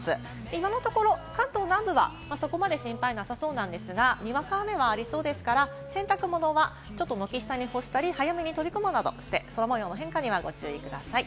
今のところ、関東南部はそこまで心配なさそうなんですが、にわか雨はありそうですから、洗濯物はちょっと軒下に干したり早めに取り込むなどして、空模様の変化にご注意ください。